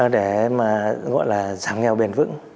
để mà gọi là giảm nghèo bền vững